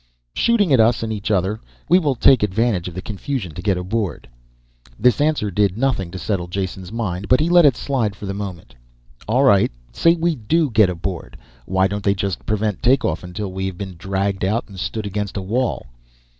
"Shooting at us and each other. We will take advantage of the confusion to get aboard." This answer did nothing to settle Jason's mind, but he let it slide for the moment. "All right say we do get aboard. Why don't they just prevent take off until we have been dragged out and stood against a wall?"